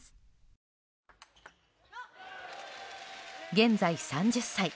現在３０歳。